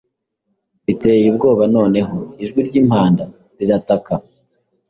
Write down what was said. Biteye ubwoba noneho ijwi ryimpanda, rirataka